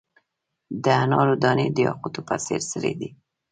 د انارو دانې د یاقوتو په څیر سرې دي.